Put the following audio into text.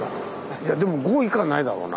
いやでも５以下ないだろうな。